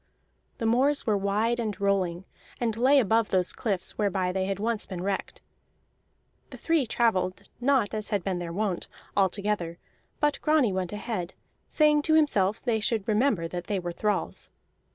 The moors were wide and rolling, and lay above those cliffs whereby they had once been wrecked. The three travelled not as had been their wont, all together; but Grani went ahead, saying to himself they should remember that they were thralls.